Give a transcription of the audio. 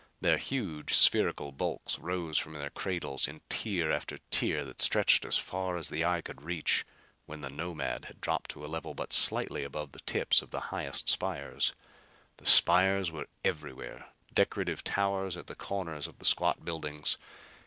Their huge spherical bulks rose from their cradles in tier after tier that stretched as far as the eye could reach when the Nomad had dropped to a level but slightly above the tips of the highest spires. The spires were everywhere, decorative towers at the corners of the squat buildings.